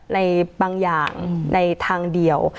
ในบางอย่างในทางเดียว